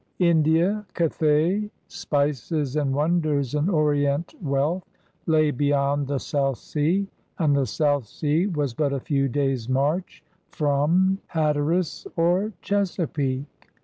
India — Cathay — spices and wonders and Orient wealth — lay beyond the South Sea, and the South Sea was but a few days* march from 10 THE ADVENTURERS 11 Hatteras or Chesapeake.